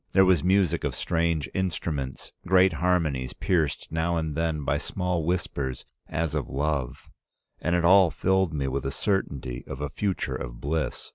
There was music of strange instruments, great harmonies pierced now and then by small whispers as of love, and it all filled me with a certainty of a future of bliss.